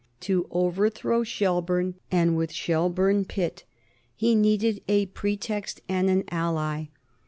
To overthrow Shelburne and with Shelburne Pitt, he needed a pretext and an ally.